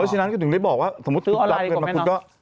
เพราะฉะนั้นก็จึงได้บอกว่าสมมุติพูดลับเงินมา